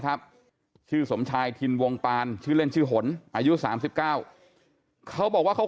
ครับชื่อสมชายทินวงปานชื่อเล่นชื่อหนอายุ๓๙เขาบอกว่าเขา